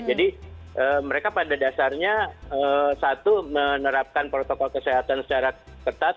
jadi mereka pada dasarnya satu menerapkan protokol kesehatan secara ketat